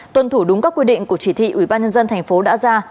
tuân thủ đúng các quy định của chỉ thị ủy ban nhân dân tp hcm đã ra